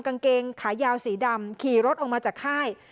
กางเกงขายาวสีดำขี่รถออกมาจากค่าย